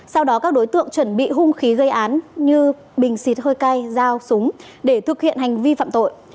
sau đó các đối tượng chuẩn bị hung khí gây án như bình xịt hơi cay dao súng để thực hiện hành vi phạm tội